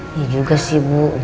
ya juga sih bu